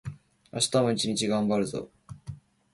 明日も一日がんばるぞ